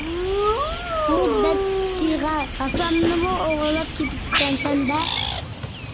ھۇ بەچچىغەر، ھاسامنىمۇ ئوغرىلاپ كېتىپتىكەنسەن - دە!